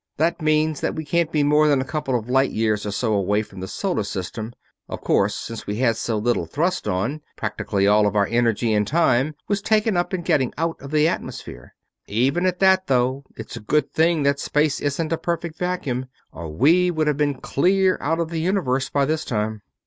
That means that we can't be more than a couple of light years or so away from the Solar System. Of course, since we had so little thrust on, practically all of our energy and time was taken up in getting out of the atmosphere. Even at that, though, it's a good thing that space isn't a perfect vacuum, or we would have been clear out of the Universe by this time."